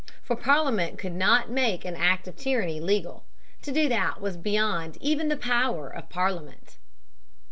For Parliament could not make an act of tyranny legal. To do that was beyond the power even of Parliament.